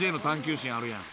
心あるやん。